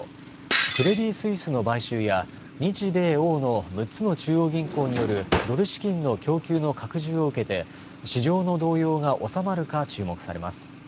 クレディ・スイスの買収や日米欧の６つの中央銀行によるドル資金の供給の拡充を受けて市場の動揺が収まるか注目されます。